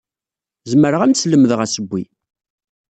Zemreɣ ad am-slemdeɣ asewwi.